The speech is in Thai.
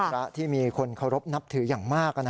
ต้องเป็นพระที่มีคนเคารพนับถืออย่างมาก